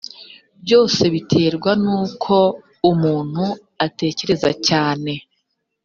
byose biterwa n uko umuntu atekereza cyane